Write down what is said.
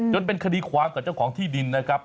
จนเป็นคดีความกับเจ้าของที่ดินนะครับ